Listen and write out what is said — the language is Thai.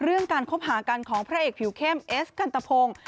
เรื่องการคบหากันของพระเอกผิวเข้มเอสกันตะพงศ์